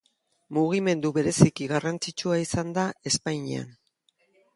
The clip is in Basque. Mugimendu bereziki garrantzitsua izan da Espainian.